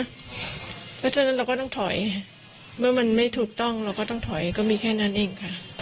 เพราะฉะนั้นเราก็ต้องถอยเมื่อมันไม่ถูกต้องเราก็ต้องถอยก็มีแค่นั้นเองค่ะ